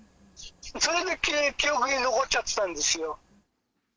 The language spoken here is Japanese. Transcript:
それで記憶に残っちゃってたんですよ。